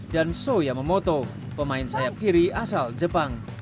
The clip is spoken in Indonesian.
dan shoya momoto pemain sayap kiri asal jepang